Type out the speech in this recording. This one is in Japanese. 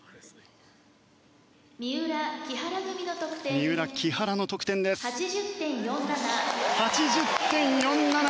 三浦、木原の得点は８０．４７！